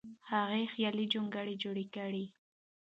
هغه خیالي جونګړه جوړه کړه.